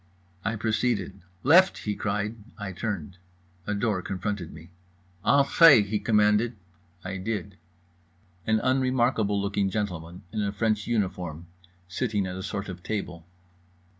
I proceeded. "Left!" he cried. I turned. A door confronted me. "Entrez," he commanded. I did. An unremarkable looking gentleman in a French uniform, sitting at a sort of table.